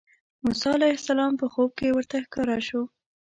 موسی علیه السلام په خوب کې ورته ښکاره شو.